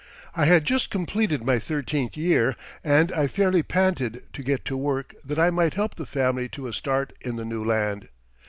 I had just completed my thirteenth year, and I fairly panted to get to work that I might help the family to a start in the new land.